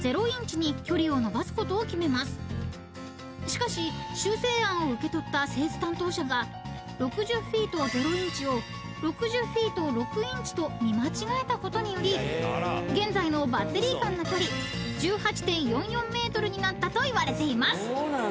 ［しかし修正案を受け取った製図担当者が６０フィート０インチを６０フィート６インチと見間違えたことにより現在のバッテリー間の距離１８．４４ｍになったといわれています］